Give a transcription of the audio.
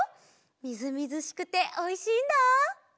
みずみずしくておいしいんだ。